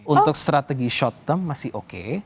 untuk strategi short term masih oke